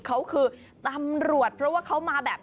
เค้าคือตำรวจเพราะว่าเค้ามา